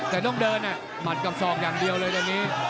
แต่ต้องเดินหมัดกับศอกอย่างเดียวเลยตอนนี้